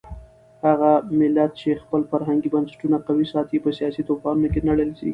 هغه ملت چې خپل فرهنګي بنسټونه قوي ساتي په سیاسي طوفانونو کې نه لړزېږي.